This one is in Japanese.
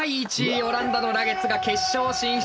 オランダのラゲッズが決勝進出。